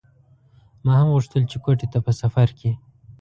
ما هم غوښتل چې کوټې ته په سفر کې.